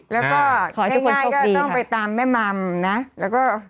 แล้วก็ง่ายก็ต้องไปตามแม่มัมนะแล้วก็